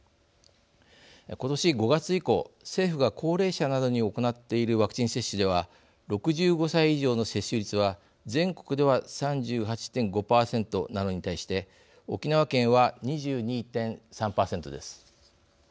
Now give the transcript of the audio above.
今年５月以降政府が高齢者などに行っているワクチン接種では６５歳以上の接種率は全国では３８．５％なのに対して沖縄県は２２．３％です。